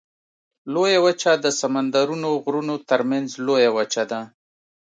لویه وچه د سمندرونو غرونو ترمنځ لویه وچه ده.